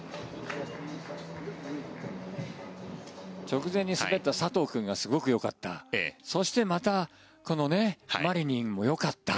直前に滑った佐藤君がすごくよかったそしてまたこのマリニンもよかった。